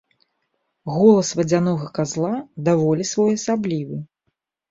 Голас вадзянога казла даволі своеасаблівы.